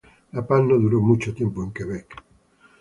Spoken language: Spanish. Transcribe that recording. La paz no duró mucho tiempo en Quebec.